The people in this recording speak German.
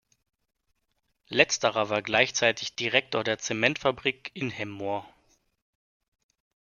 Letzterer war gleichzeitig Direktor der Zementfabrik in Hemmoor.